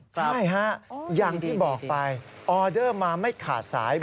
ใช่ฮะอย่างที่บอกไปออเดอร์มาไม่ขาดสาย